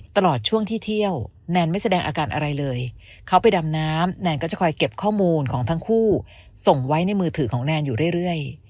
ตลอดช่วงที่เที่ยวแนนไม่แสดงอาการอะไรเลยเขาไปดำน้ำแนนก็จะคอยเก็บข้อมูลของทั้งคู่ส่งไว้ในมือถือของแนนอยู่เรื่อย